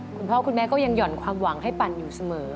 คุณพ่อคุณแม่ก็ยังหย่อนความหวังให้ปั่นอยู่เสมอ